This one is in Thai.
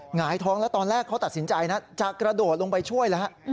หงายท้องแล้วตอนแรกเขาตัดสินใจนะจะกระโดดลงไปช่วยแล้วฮะ